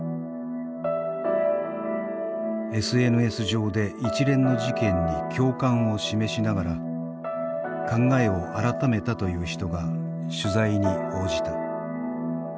ＳＮＳ上で一連の事件に共感を示しながら考えを改めたという人が取材に応じた。